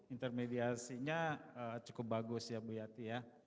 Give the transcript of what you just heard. intermediasinya cukup bagus ya bu yati ya